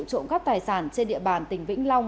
trộm cắp tài sản trên địa bàn tỉnh vĩnh long